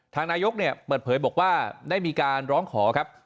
นายกเนี่ยเปิดเผยบอกว่าได้มีการร้องขอครับ